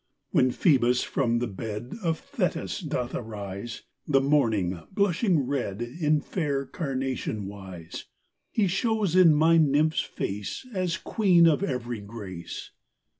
When Phoebus from the bed Of Thetis doth arise, The morning, blushing red, In fair carnation wise, He shows in my Nymph's face, As Queen of every grace.